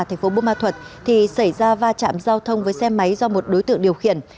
tp buôn ma thuật thì xảy ra va chạm giao thông với xe máy do một đối tượng điều khiển